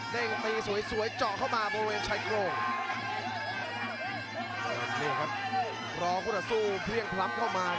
พยังพลับออกมาครับ